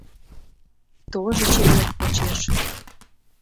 Тожо черет почеш.